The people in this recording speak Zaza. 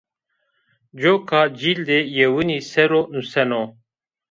Coka cîldê yewinî ser o nuseno.